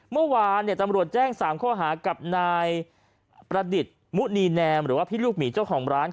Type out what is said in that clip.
เมื่อวานตำรวจแจ้ง๓ข้อหากับนายประดิษฐ์มุนีแนมหรือว่าพี่ลูกหมีเจ้าของร้าน